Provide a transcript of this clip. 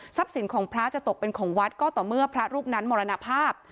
สินของพระจะตกเป็นของวัดก็ต่อเมื่อพระรูปนั้นมรณภาพ